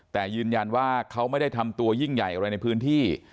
แต่ยืนยันว่าเขาไม่ได้ทำตัวยิ่งใหญ่อะไรในพื้นที่